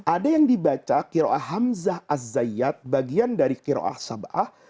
ada yang dibaca qira'ah hamzah az zayyat bagian dari qira'ah shab'ah